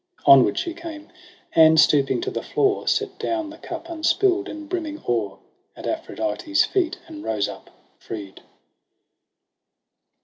Onward she came, and stooping to the floor Set down the cup unspill'd and brimming o'er At Aphrodite's feet, and rose up freed.